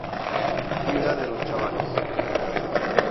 cuida de los chavales.